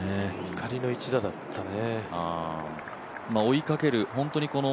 怒りの一打だったね。